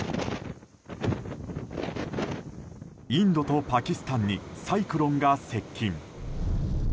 インドとパキスタンにサイクロンが接近。